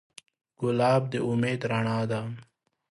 ګلاب د امید رڼا ده.